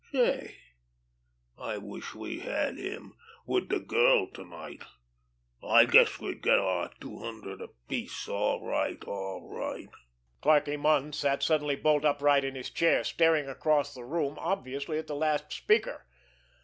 Say, I wish we had him wid de girl to night—I guess we'd get our two hundred apiece, all right, all right." Clarkie Munn sat suddenly bolt upright in his chair, staring across the room, obviously at the last speaker.